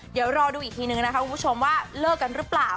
เดี๋ยวรอดูอีกทีนึงนะคะคุณผู้ชมว่าเลิกกันหรือเปล่า